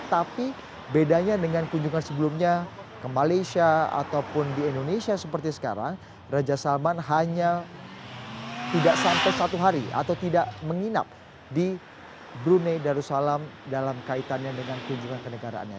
tapi bedanya dengan kunjungan sebelumnya ke malaysia ataupun di indonesia seperti sekarang raja salman hanya tidak sampai satu hari atau tidak menginap di brunei darussalam dalam kaitannya dengan kunjungan ke negaraannya